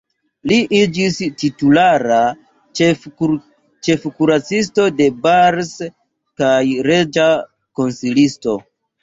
Li iĝis titulara ĉefkuracisto de Bars kaj reĝa konsilisto.